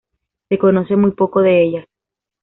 Se conoce muy poco de ellas.